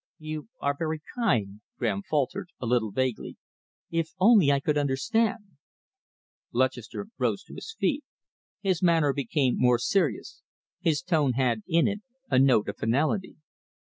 "You are very kind," Graham faltered, a little vaguely. "If only I could understand " Lutchester rose to his feet. His manner became more serious, his tone had in it a note of finality.